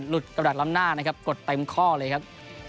กระดาษล้ำหน้านะครับกดเต็มข้อเลยครับ